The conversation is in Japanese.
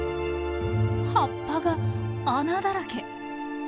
葉っぱが穴だらけ！